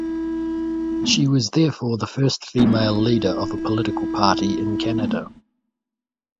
She was therefore the first female leader of a political party in Canada.